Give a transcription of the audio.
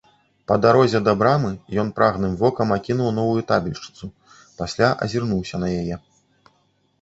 Па дарозе да брамы ён прагным вокам акінуў новую табельшчыцу, пасля азірнуўся на яе.